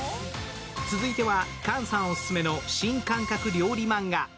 続いては菅さんオススメの新感覚料理マンガ。